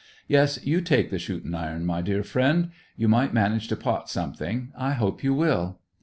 Yes, you take the shooting iron, my dear fellow; you might manage to pot something. I hope you will."